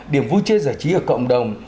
điểm vui chơi giải trí ở cộng đồng